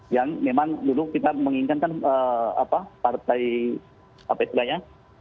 yang memang dulu kita menginginkan kan apa partai apa itu namanya